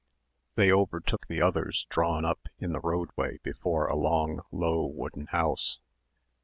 They overtook the others drawn up in the roadway before a long low wooden house.